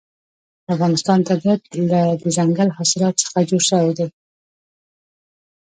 د افغانستان طبیعت له دځنګل حاصلات څخه جوړ شوی دی.